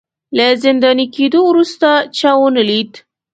له زنداني کېدو وروسته چا ونه لید